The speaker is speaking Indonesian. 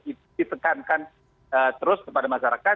itu ditekankan terus kepada masyarakat